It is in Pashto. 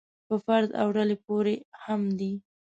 په فرد او ډلې پورې هم دی.